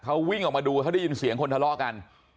เหลือวิ้ไหลทางละก็ได้รู้เสียงคนทะเลาะกัน